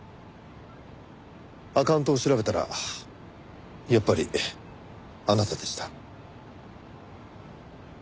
アカウントを調べたらやっぱりあなたでした。